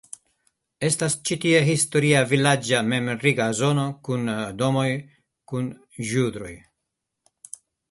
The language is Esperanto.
Estas ĉi tie historia vilaĝa memriga zono kun domoj kun ĵudroj.